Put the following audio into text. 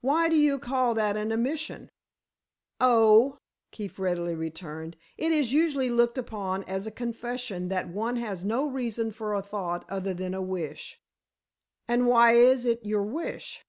"Why do you call that an admission?" "Oh," Keefe readily returned, "it is usually looked upon as a confession that one has no reason for a thought other than a wish." "And why is it your wish?"